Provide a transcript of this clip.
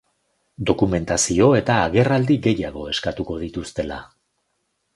Dokumentazio eta agerraldi gehiago eskatuko dituztela.